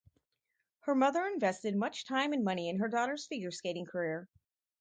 Her mother invested much time and money in her daughter's figure skating career.